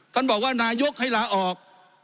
ท่านบอกว่านายกให้ลาออก